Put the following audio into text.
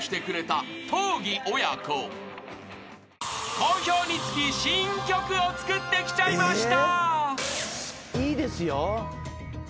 ［好評につき新曲を作ってきちゃいました］